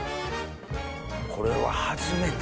これは初めて。